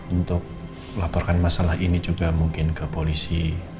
untuk melaporkan masalah ini juga mungkin ke polisi